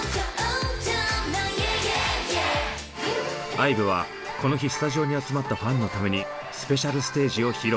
ＩＶＥはこの日スタジオに集まったファンのためにスペシャルステージを披露。